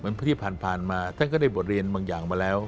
ที่ผ่านมาท่านก็ได้บทเรียนบางอย่างมาแล้ว